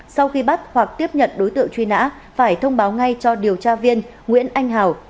sau khi bắt hoặc tiếp nhận đối tượng truy nã phải thông báo ngay cho điều tra viên nguyễn anh hào